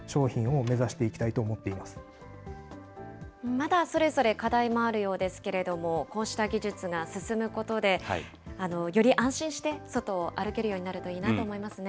まだそれぞれ課題もあるようですけれども、こうした技術が進むことで、より安心して外を歩けるようになるといいなと思いますね。